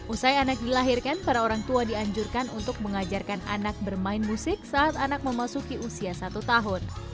usai anak dilahirkan para orang tua dianjurkan untuk mengajarkan anak bermain musik saat anak memasuki usia satu tahun